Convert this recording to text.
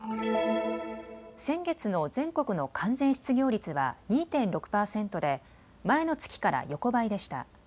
先月の全国の完全失業率は２．６％で前の月から横ばいでした。